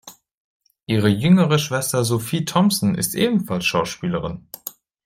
Ihre jüngere Schwester Sophie Thompson ist ebenfalls Schauspielerin.